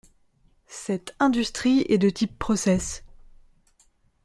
Cette industrie est de type process.